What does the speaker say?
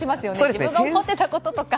自分が思っていたこととか。